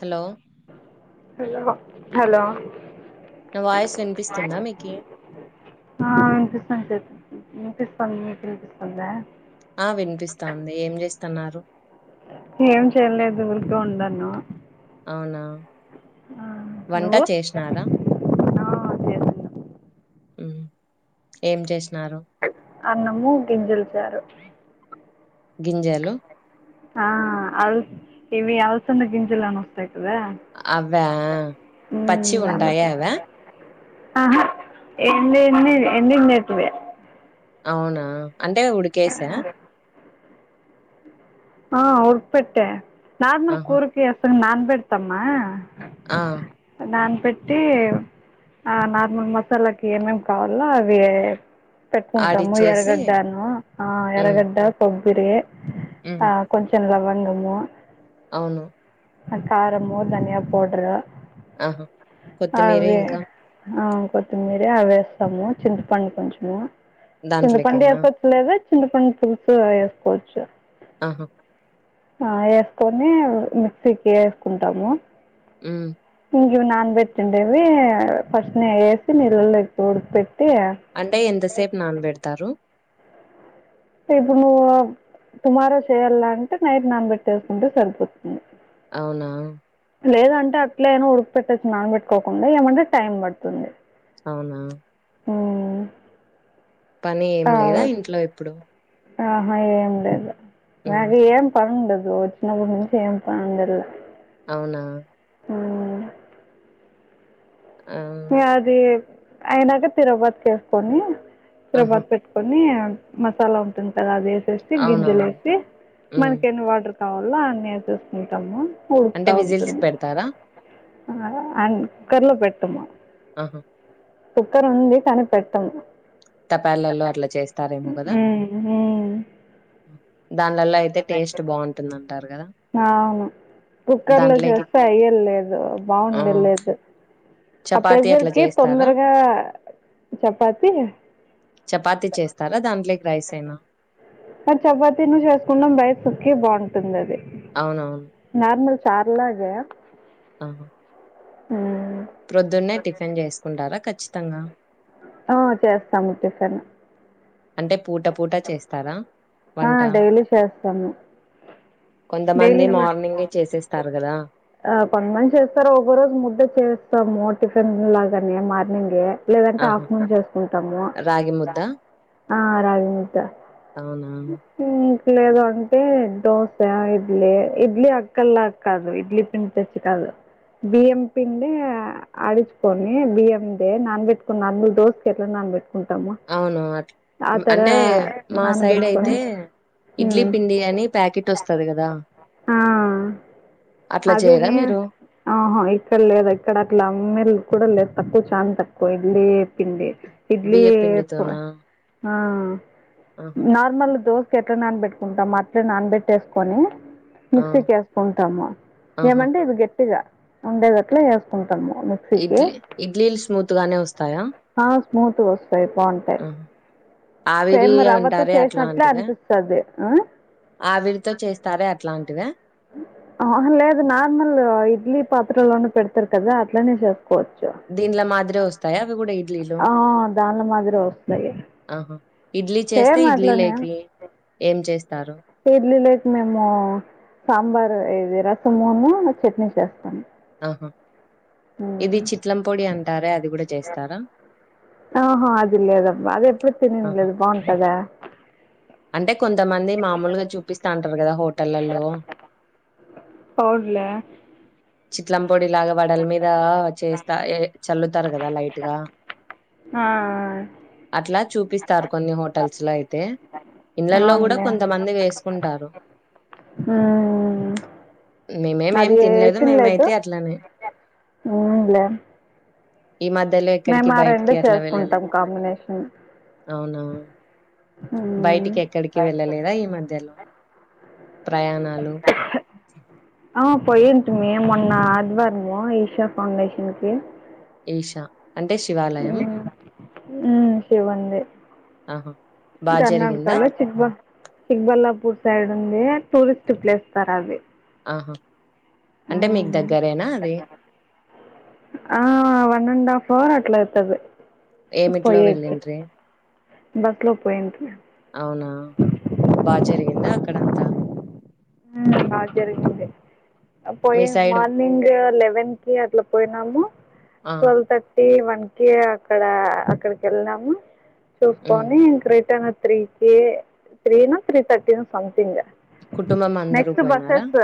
Hello hello hello నా voice hi వినిపిస్తుందా మీకి? ఆ వినిపిస్తుంది చెప్పు వినిపిస్తుంది మీకు వినిపిస్తుందా ఆ వినిపిస్తాంది ఏం చేస్తున్నారు ఏం చెయలేదు ఊరికే ఉండాను అవునా ఆ వంట నువ్వు చేసినారా ఆ చేసాను ఉ ఏం చేసి అన్నము గింజల్చారు గింజలు ఆ అల్ ఇవి అల్సంద గింజిల్ అన్ని వస్తాయి అవా అవ్వా ఉ పచ్చివి దాన్నే ఉంటాయా అవా? ఆహా ఎండి ఎండి ఎండినోటివే అవునా అంటే ఉడికెసా ఆ ఉడకబెట్టే నార్మల్ ఆహా! కూరికి వేస్తాం నానబేడతామా ఆ నానబెట్టి ఆ నార్మల్ మసాలాకి ఏమేమి కావాలో అవి పెట్టుకుంటాము ఆడిచ్చేసి ఎర్రగడ్డను ఆ హ్మ్. ఎర్రగడ్డ కొబ్బరి ఆ హ్మ్. కొంచం లవంగము అవును కారము ధనియాల పౌడరు ఆహా! కొత్తిమీర ఆవి ఇంకా ఆ కొత్తిమీర అవి వేస్తాము చింతపండు కొంచెము చింతపండు దాంట్లోకేనా? ఏసుకోవచ్చు లేదా చింతపండు పులుసు అవి వేసుకోవచ్చు ఆహా ఆ వేసుకొని మిక్సీకి వేసుకుంటాము ఉ ఇవి నానబెట్టిండేవి ఫస్ట్ నెయ్యి వేసి నీళ్ళలో ఎక్కువ ఉడుక పెట్టి అంటే ఎంత సేపు నానబెడతారు ఇప్పుడు నువ్వు టుమారో చేయాల అంటే నైట్ నానబెట్టేసుకుంటే సరిపోతుంది అవునా లేదంటే అట్లేను ఉడక పెట్టేసి నానబట్టుకోకుండా ఏమంటే టైం పడుతుంది అవునా ఊ పని ఏం లేదా ఇంట్లో ఇప్పుడు ఆహా ఏం లేదు హ్మ్. నాకు ఏం పని ఉండదు ను వచ్చిన్నప్పుడు నుంచి ఏమి పని ఉండదు అవునా ఊ ఆ! అది అయినాక తిరగమాతు చేసుకొని ఆహా! తిరుగుబాతు పెట్టుకొని మసాలా ఉంటుంది కదా అది వేసేసి గింజలు అవునవును. వేసి హ్మ్. మనకి ఎన్ని వాటర్ కావాల్నా అన్ని వేసుకుంటాము అంటే ఉడుకుతా విజిల్స్‌కి ఉంటుంది పెడతారా? అ అండ్ కుక్కర్లో పెట్టము ఆహా కుక్కర్ ఉంది కానీ పెట్టము తపాలాల్లో అట్లా చేస్తారేమో గదా! ఉ ఉ దానిలలో అయితే టేస్ట్ బావుంటుందంటారు కదా అవును కుక్కర్ లో చేస్తే అయ్యది లేదు ఆ! బాగుండేది లేదు ఆ చపాతీ అట్లా ప్రెజర్కి చేస్తారా? తొందరగా చపాతి చపాతి చేస్తారా దాంట్లోకి రైసేనా మరి చపాతిను చేసుకుంటాం రైసుకి బాగుంటుంది అది అవునవున్ చార్ల దె ఆహ ఆ ప్రొద్దున్నే టిఫిన్ చేసుకుంటార ఖచ్చితంగ ఆ చేస్తాము టిఫిన్ అంటే పూట పూట చేస్తార ఆ, వంట డైలీ చేస్తాము కొంతమంది డైలీ మార్నింగే చేసేస్తారు. రు కదా ఆ కొంతమంది చేస్తారు, ఒక రోజు ముద్ద చేస్తాము టిఫిన్ లాగానే మార్నింగె లేదంటే ఆహా! హాఫ్టర్ నూన్ చేసుకుంటాము రాగి ముద్ద? ఆ రాగి ముద్ద అవునా? ఉమ్ లేదు అంటే దోశ ఇడ్లీ ఇడ్లీ అక్కడ్ల కాదు ఇడ్లీ పిండి తెచ్చి కాదు బియ్యం పిండే అడించుకొని బియ్యం దే నాన్ పెట్టుకొని దోసకి ఎట్లా నాన్ పెట్ అవును అట్ అంటే మా సైడ్ నానబెట్టుకొని అయితే ఇడ్లీ ఉమ్ పిండి అని ప్యాకెట్ వస్తది కదా ఆ అట్లా అదే చేయరా నేను మీరు అహా ఇక్కడ లేదు ఇక్కడ అట్ల అమ్మెలే కూడ లేదు తక్కువ చాన తక్కువ ఇడ్లీ పిండి ఇడ్లీ బియ్య ఎక్కువ పిండితోనా ఆ ఆహా నార్మల్ దోశకు ఎట్ల నానబెట్టుకుంటాం అట్లా నానబెట్టేసుకొని ఆ మిక్సీకి ఏసుకుంటాము ఆహా ఏమంటే ఇది గట్టిగా ఉండే టట్లు ఏసుకుంటా ఇడ్లీ ఇడ్లీలు స్మూత్ గానే వస్తాయా ఆ స్మూత్ గా వస్తాయి బాగుంటాయి ఆహా ఆవిరి సేమ్ రవ్వతో అంటారే చేసినట్లే అట్లాంటివే అనిపిస్తది ఆ ఆవిరితో చేస్తారే అట్లాంటిదా ఆ అహ్ లేదు నార్మల్ ఇడ్లీ పాత్రలో నె పెడుతారు కదా అట్లనే చే సుకోవచ్చు దీంట్ల మాదిరే వస్తాయా అవి కూడా ఇడ్లీలు ఆ దాని మాదిరె వస్తాయి అహా ఇడ్లీ చేస్తే సేమ్ ఇడ్లీ అట్లనే లేకి ఏం చేస్తారు ఇడ్లీలోకి మేము సాంబార్ ఇది రసమూను చెట్నీ చేస్తాము ఇది చిట్లం పొడి అంటారే అది కూడ చేస్తారా ఆహ అది లేదబ్బ అది ఎప్పుడు తినింది ఆహా లేదు బాగుంటదా అంటే కొంతమంది మామూల్గా చూపిస్తా ఉంటారు కదా హోటళ్లలో పవుడ్లె చిట్లం పొడి లాగ వడల మీద చేస్తా చల్లుతారు కదా లైట్గా అ ఆ అట్లా చూపిస్తారు కొన్ని హోటల్స్ లో అయితే ఇండ్లలో కూడ కొంతమంది వేసుకుంటారు ఉమ్ మేమేమి ఏం అది తినలేదు ఏసిన్లేదు మేమైతే అట్లనే ఏం లేే ఈ మధ్యలో మేము ఎక్కడికి ఆ రెండు బయటికి చేసుకుంటాం కాంబినేషన్ అవున బయటికి ఎక్కడికి వెళ్ళలేదా ఈ మధ్యలో ప్రయాణాలు ఆ పోయింటిమి మొన్న ఆదివారము ఈషా ఫౌండేషన్ కి ఈషా అంటే శివాలయం ఉమ్ ఉమ్ శివున్ది ఆహా బా జరిగిందా కర్ణాటకాల చిక్బ చిక్బల్లాపూర్ సైడ్ ఏ టూరిస్ట్ ప్లేస్ కాదు అది. అంటే మీకు దగ్గరేనా అది. ఆ వన్ అండ్ హాఫ్ హవర్ అట్లా అయితాది. ఏమిట్లో వెళ్లింట్రీ. బస్ లో పోయింటిమి. అవునా బాగా జరిగిందా అక్కడంతా? మ్ బాగా జరిగింది. మీ సైడ్ మార్నింగ్ లెవెన్ కి అట్లా పోయినాము. ఆ టూవ్ల్వ్ థర్టీ వన్ కి అక్కడికి వెళ్ళినాము. ఉమ్ చూసుకొని ఇంక రిటన్ త్రీ కేే three no three thirty no something. కుటుంబం అందరూ నెక్స్ట్ పోయినారా బస్సెస్.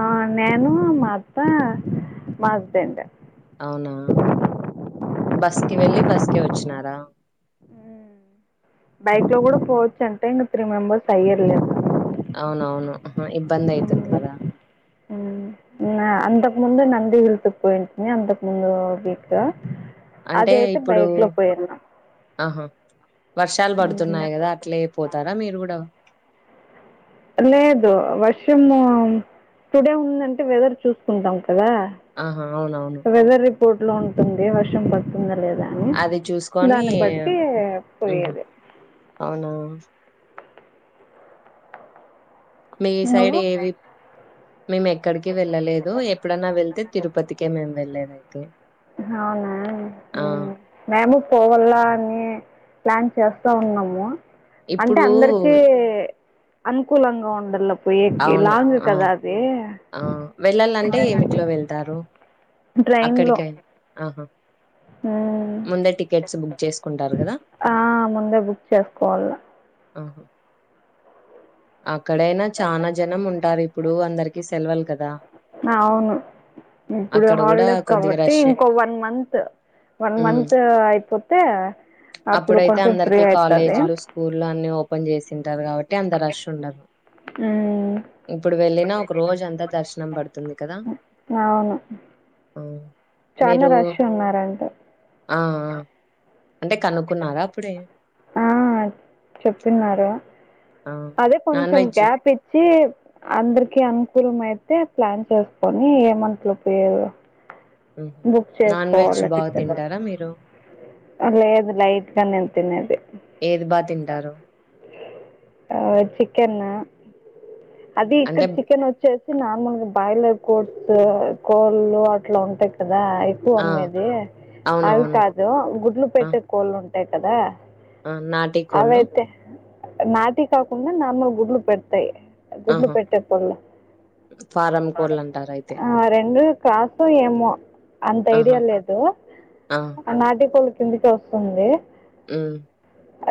ఆ నేను ఆ మా హాస్బెండ్. అవునా బస్ కి వెళ్లి బస్ కే వచ్చినారా? బైక్ లో కూడా పోవచ్చు అంటే ఇంగ త్రీ మెంబెర్స్ అయ్యేది లేదు. అవునవును ఇబ్బంది అవుతుంది కదా? [inaudible] అంతకు ముందు నందీ హిల్స్ కు పోయింటిమి అంతకు ముందు వీక్ లో అది అయితే బైక్ లో పోయేది. అహా! వర్షాలు హ్మ్. పడుతున్నాయి కదా అట్లే పోతారా మీరు కూడా. లేదు వర్షము టుడే ఉందంటే వెదర్ చూసుకుంటాం. కదా ఆహా అవునవును వెదర్ రిపోర్ట్ లో ఉంటుంది. వర్షం పడుతుందా లేదా అని అది చూసుకొని దాని పట్టి ఉహు పోయేది. అవునా మీ సైడ్ నువ్వు? ఏవి మేము ఎక్కడికి వెళ్ళలేదు. ఎప్పుడైన్నా వెళ్తే తిరుపతికే మేము వెళ్ళేదైతే. అవునా మేము పోవాల అని ప్లాన్ చేస్తా ఉన్నాము. అంటే ఇప్పుడు అందరికీ అనుకూలంగా ఉండాల పోయేకి అవును లాంగ్ ఆ కదా అది. ఆ వెళ్ళాలంటే ఏమిట్లో వెళ్తారు? ట్రైన్‌లో. అక్కడికైనా ఆహా! హ్మ్. ముందే టికెట్స్ బుక్ చేసుకుంటారు కదా? ఆ ముందే బుక్ చేసుకోవాల. ఉహు ఆ అక్కడైనా చాలా జనం ఉంటారు. ఇప్పుడు అందరికి సెలవలు కదా అవును. ఇప్పుడు అక్కడ గూడా హాలిడేస్ కొద్దిగా కాబట్టి రష్షే. ఇంకో వన్ మంత్ వన్ హ్మ్. మంత్ అయిపోతే అప్పుడు అప్పుడైతే కొంచెం ఫ్రీ అందరికీ అవుతాది. కాలేజీలు, స్కూల్లు అన్నీ ఓపెన్ చేసింటారు కాబట్టి అంత రష్ ఉండదు. హ్మ్. ఇప్పుడు వెళ్ళినా ఒక రోజు అంతా దర్శనం పడుతుంది కదా? హ్మ్. చానా మీరు రష్ ఉన్నారంట. ఆ అంటే కనుక్కున్నారా అప్పుడే. ఆ! చెప్తున్నారు. ఆ! అదే నాన్ కొంచెం వెజ్ గ్యాప్ ఇచ్చి అందరికి అనుకూలమైతే ప్లాన్ చేసుకొని ఏ మంత్ లో పోయది. హుహు. బుక్ నాన్ వెజ్ చేసుకోవాలి బా టికెట్స్. తింటారా మీరు? ఆ లేదు లైట్గా నే తినేది. ఏది బాగా తింటారు. ఆ చికెన్, అది ఇక్కడ అంటే చికెన్ వచ్చేసి నార్మల్ గా బాయిలర్ కోళ్లు అట్లా ఉంటాయి కదా? అయితే ఆ! అమ్మేది అవి అవునవును. కాదు గుడ్లు ఆ! పెట్టే కోళ్ళు ఉంటాయి కదా? ఆ నాటి కోళ్ళు అవైతే నాటి కాకుండా నార్మల్ గుడ్లు పెడతాయి. గుడ్లు ఆహా! పెట్టే కోళ్ళు. ఫారం కోళ్ళంటారయితే. ఆ రెండూ క్రాసు ఏమో అంత ఆహా! ఐడియా లేదు ఆ నాటి కోళ్ళు కిందికే వస్తుంది. మ్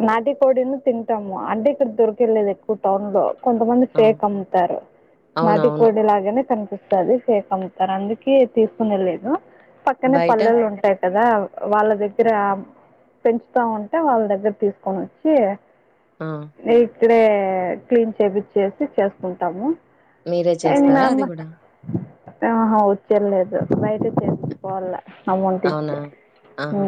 నాటి కోడిను తింటాము. అంటే ఇక్కడ దొరికెళ్లేదు ఎక్కువ టౌన్ లో కొంతమంది ఆ ఫేక్ అమ్ముతారు. నాటి అవునవును కోడి లాగానే ఫేక్ అమ్ముతారు అందుకే తీసుకునే లేదు పక్కనే బయట పల్లెలు ఉంటాయి. కదా వాళ్ళ దగ్గర పెంచుతా ఉంటారు. వాళ్ళ దగ్గర తీసుకొని వచ్చి [inaudible] మేము ఇక్కడే క్లీన్ చేపిచ్చేసి చేసుకుంటాము. మీరే చేస్తారా అది కూడా? ఆహా? వచ్చేల్లేదు బయట చెప్చుకోవాల. అల్లం అవునా? తెచ్చి ఆహా!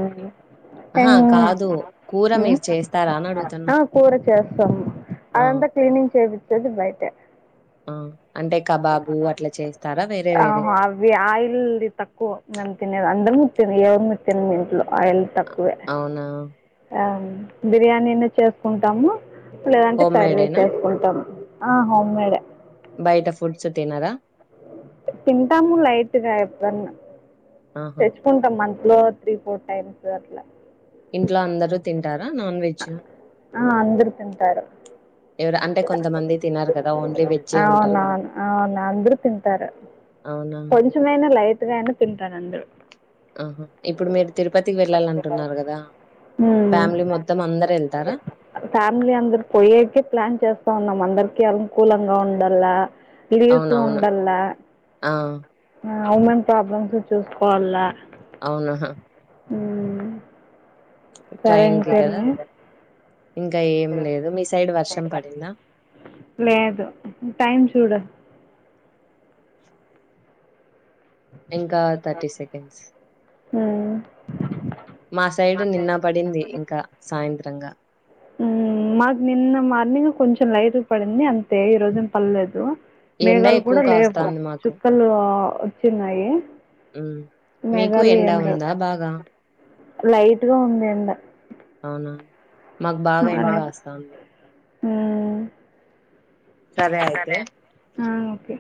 అహా! కాదు కూర మీరు చేస్తారా అని అడుగుతున్నా? కూర చేస్తారు. ఆ! అది అంతా క్లీనింగ్ చేయిచ్చేది బయట. ఆ అంటే కబాబు అట్లా చేస్తారా? వేరే వేరే? ఆహా! అవి ఆయిల్ తక్కువ తినేది అందరము. ఏవన్నా తిన్ ఇంట్లో ఆయిల్ తక్కువే అవునా? బిర్యానీని చేసుకుంటాము. లేదంటే హోమ్ కర్రీ మేడేనా? చేసుకుంటాము. ఆ హోమ్ మేడ్ ఏ బయట ఫుడ్స్ తినరా? తింటాము లైట్ గా ఎప్పుడన్నా ఆహా! తెచ్చుకుంటాం లో త్రీ ఫోర్ టైమ్స్ కు అట్ల ఇంట్లో అందరూ తింటారా నాన్ వెజ్? ఆ అందరూ తింటారు. ఎవరు అంటే కొంతమంది తినరు కదా! ఓన్లీ వెజ్జే ఉంటారు అవునా గదా! అవును అవునా అందరూ తింటారు. అవునా? కొంచెమైనా లైట్ గా అయినా తింటారు అందురూ. ఇప్పుడు మీరు తిరుపతికి వెళ్ళాలంటున్నారు కదా? మ్మ్. ఫ్యామిలీ మొత్తం అందరూ వెళ్తారా? ఫ్యామిలీ అందరూ పోయేకే ప్లాన్ చేస్తా ఉన్నాం. అందరికి అనుకూలంగా ఉండల్ల లీవ్స్ అవునవును. ఉండల్ల ఆ! ఉమెన్ ప్రాబ్లమ్స్ చూసుకోవాల అవునా [inaudible] సరే ట్రైన్ కి కదా ఇంకేమి ఇంకా ఏం లేదు మీ సైడ్ వర్షం పడిందా లేదు టైం చూడటానికి ఇంకా థర్టీ సెకండ్స్ మ్మ్. మా సైడు నిన్న పడింది ఇంకా సాయంత్రంగా మాకు నిన్న మార్నింగ్ కొంచెం లైట్ పడింది అంతే ఈరోజు పడలేదు. ఎండ మేఘాలు ఎక్కువ కూడా లేవు. కాస్తాంది మాకు చుక్కలు వచ్చినయి. మీకు ఎండా ఉందా బాగా? లైట్ గా ఉంది ఎండ అవునా మాకు బాగా ఎండగాస్తంది ఉమ్ సరే అండి ఆ ఓకే